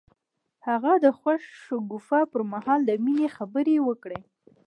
هغه د خوښ شګوفه پر مهال د مینې خبرې وکړې.